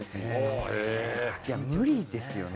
いや無理ですよね。